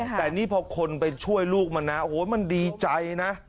แต่นี่พอคนไปช่วยลูกมันนะโอ้โหมันดีใจนะ